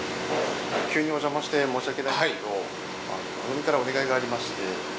急におじゃまして申し訳ないんですけど番組からお願いがありまして。